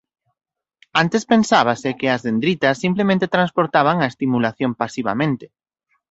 Antes pensábase que as dendritas simplemente transportaban a estimulación pasivamente.